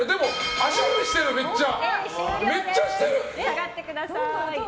足踏みしてる、めっちゃ。